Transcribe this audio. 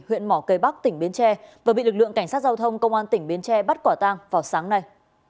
huyện mỏ cây bắc tỉnh biến tre và bị lực lượng cảnh sát giao thông công an tỉnh biến tre bắt quả tang vào sáng nay